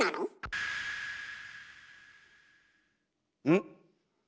ん？